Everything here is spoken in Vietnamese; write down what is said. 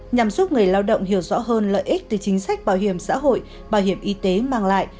nhằm giúp người lao động hiểu rõ hơn lợi ích từ chính sách bảo hiểm xã hội bảo hiểm y tế mang lại